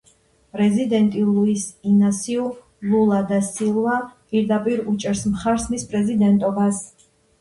პრეზიდენტი ლუის ინასიუ ლულა და სილვა პირდაპირ უჭერს მხარს მის პრეზიდენტობას.